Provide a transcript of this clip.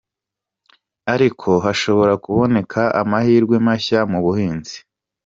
Ariko hashobora kuboneka amahirwe mashya mu buhinzi.